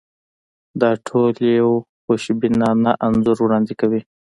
دا ټول یو خوشبینانه انځور وړاندې کوي.